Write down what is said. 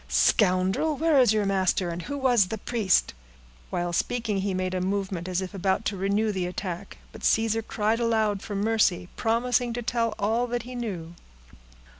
Scoundrel! where is your master, and who was the priest?" While speaking, he made a movement as if about to renew the attack; but Caesar cried aloud for mercy, promising to tell all that he knew.